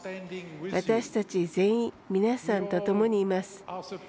私たち全員皆さんとともにいます。